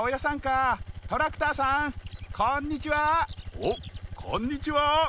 おっこんにちは！